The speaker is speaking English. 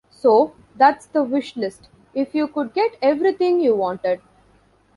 So, that's the wish list, if you could get everything you wanted.